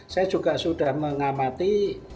saya juga sudah mengamati